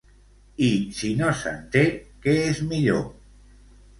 I si no se'n té, què és millor?